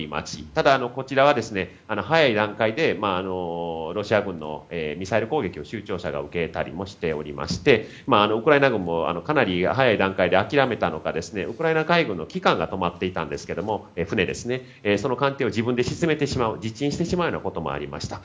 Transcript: ただ、こちらは早い段階でロシア軍のミサイル攻撃を州庁舎が受けたりしてウクライナ軍もかなり早い段階で諦めたのかウクライナ海軍の旗艦が泊まっていたんですがその艦艇を自分で沈めてしまう自沈してしまうこともありました。